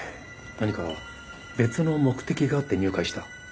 何か別の目的があって入会した？